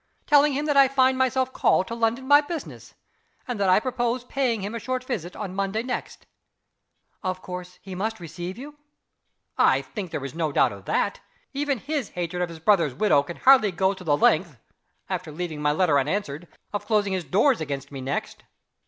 Telling him that I find myself called to London by business, and that I propose paying him a short visit on Monday next." "Of course, he must receive you?" "I think there is no doubt of that. Even his hatred of his brother's widow can hardly go to the length after leaving my letter unanswered of closing his doors against me next."